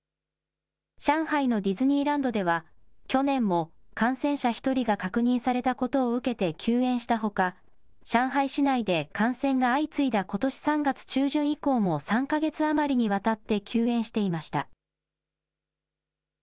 上海のディズニーランドでは、去年も感染者１人が確認されたことを受けて休園したほか、上海市内で感染が相次いだことし３月中旬以降も、３か月余りにわたって休園していました。